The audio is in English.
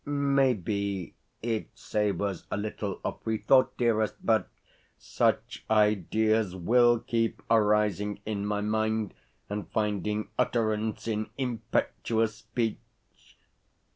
Maybe it savours a little of free thought, dearest; but, such ideas WILL keep arising in my mind and finding utterance in impetuous speech.